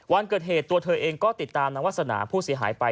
วันเกิดเหตุตัวเธอเองก็ติดตามนางวาสนาผู้เสียหายไป